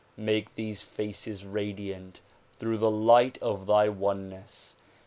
make these faces radiant through the light of thy oneness.